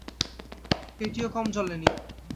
কেটিও কম জ্বলে নি।